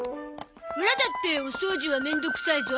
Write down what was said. オラだってお掃除は面倒くさいゾ。